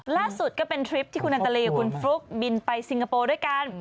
ล่าสุดก็เป็นทริปที่คุณแอนตาลีกับคุณฟลุ๊กบินไปซิงคโปร์ด้วยกัน